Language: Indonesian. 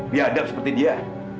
biadab seperti dia